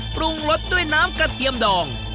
ปรุงรสด้วยน้ำกระเทียมดอง